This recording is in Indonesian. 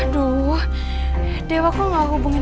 tidak ada apa apa